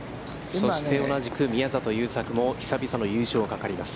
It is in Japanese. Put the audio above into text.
同じく宮里優作も久々の優勝がかかります。